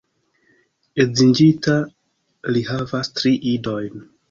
Edziĝinta, li havas tri idojn.